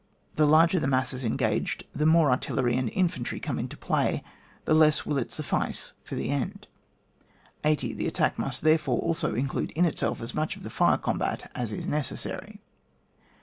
The larger the masses engaged, the more artillery and infantry come into play, the less will it Bu£B.ce for the end. 80. The attack must, therefore, also include in itself as much of the fire combat as is necessary.